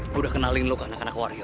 gue udah kenalin lo ke anak anak wario